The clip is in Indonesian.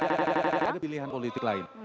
ada pilihan politik lain